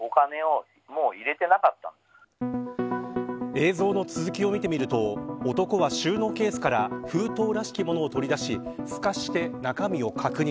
映像の続きを見てみると男は収納ケースから封筒らしきものを取り出しすかして、中身を確認。